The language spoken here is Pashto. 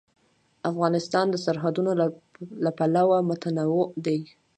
افغانستان د سرحدونه له پلوه متنوع دی.